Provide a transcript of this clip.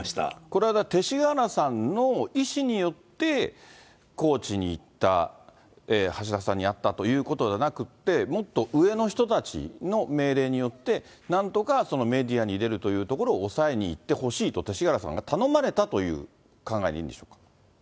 これはだから、勅使河原さんの意思によって高知に行った、橋田さんに会ったということじゃなくて、もっと上の人たちの命令によってなんとかメディアに出るというところを押さえに行ってほしいと勅使河原さんが頼まれたという考えでいいんでしょうか。